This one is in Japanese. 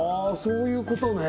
そういうことね